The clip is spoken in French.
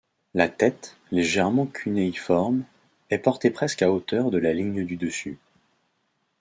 La tête, légèrement cunéiforme, est portée presque à hauteur de la ligne du dessus.